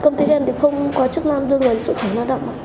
công ty em thì không có chức năng đưa người xuất khẩu lao động